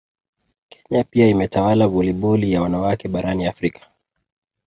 Kenya pia imetawala voliboli ya wanawake barani Afrika